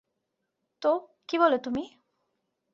তো, কী বলো তুমি?